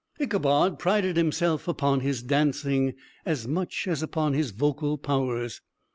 Ichabod prided himself upon his dancing as much as upon his vocal powers.